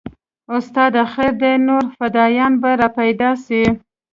استاده خير دى نور فدايان به راپيدا سي.